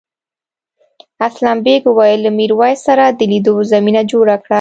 اسلم بېگ وویل له میرويس سره د لیدو زمینه جوړه کړه.